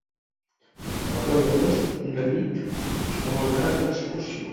El deu d'agost na Nit vol anar d'excursió.